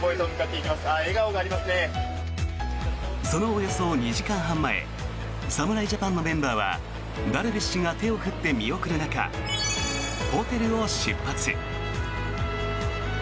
そのおよそ２時間半前侍ジャパンのメンバーはダルビッシュが手を振って見送る中ホテルを出発。